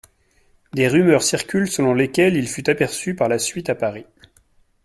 Des rumeurs circulent selon lesquelles il fut aperçu par la suite à Paris.